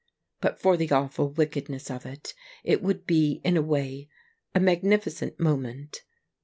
But for the awful wickedness of it, it would be, in a way, a magnificent moment.